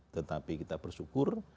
tetapi kita bersyukur